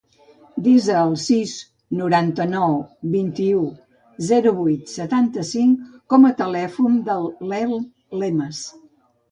Desa el sis, noranta-nou, vint-i-u, zero, vuit, setanta-cinc com a telèfon de l'Elm Lemes.